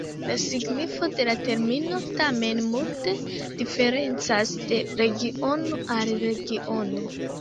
La signifo de la termino tamen multe diferencas de regiono al regiono.